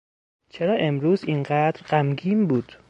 چرا امروز این قدر غمگین بود؟